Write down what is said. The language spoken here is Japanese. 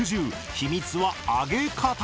秘密は揚げ方！